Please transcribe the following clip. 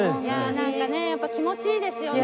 なんかねやっぱ気持ちいいですよね。